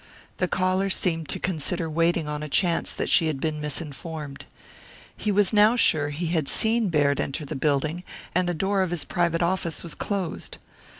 The caller seemed to consider waiting on a chance that she had been misinformed. He was now sure he had seen Baird enter the building, and the door of his private office was closed.